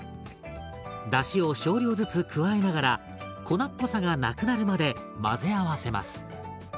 だしを少量ずつ加えながら粉っぽさがなくなるまで混ぜ合わせます。